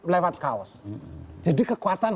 lewat kaos jadi kekuatan